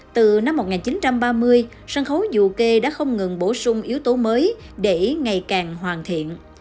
từ năm một nghìn chín trăm ba mươi sân khấu dù kê đã không ngừng bổ sung yếu tố mới để ngày càng hoàn thiện